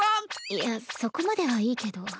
いやそこまではいいけど。